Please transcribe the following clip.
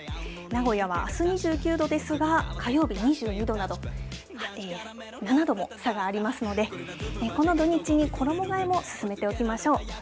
名古屋はあす２９度ですが、火曜日２２度など、７度も差がありますので、この土日に衣がえも進めておきましょう。